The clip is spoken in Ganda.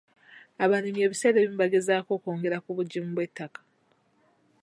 Abalimi ebiseera ebimu bagezaako okwongera ku bugimu bw'ettaka.